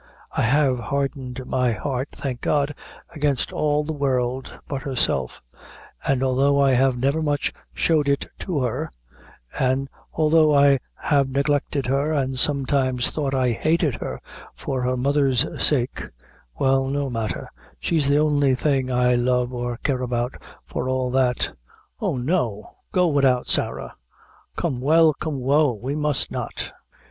I have hardened my heart, thank God, against all the world but herself; an' although I have never much showed it to her, an' although I have neglected her, an' sometimes thought I hated her for her mother's sake well, no matther she's the only thing I love or care about for all that. Oh! no go wid out Sarah come weal come woe we must not."